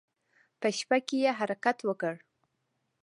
په شپه کې يې حرکت وکړ.